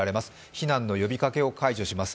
避難の呼びかけを解除します。